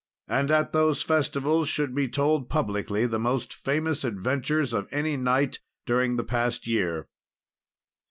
And at those festivals should be told publicly the most famous adventures of any knight during the past year.